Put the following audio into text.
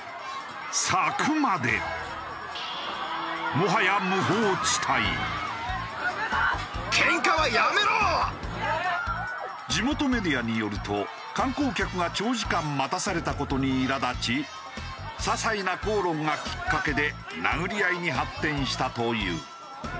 もはや地元メディアによると観光客が長時間待たされた事にいら立ちささいな口論がきっかけで殴り合いに発展したという。